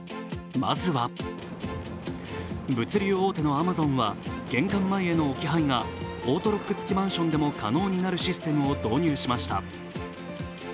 まずは物流大手のＡｍａｚｏｎは玄関前への置き配がオートロック付きマンションでも可能になるシステムを導入しました。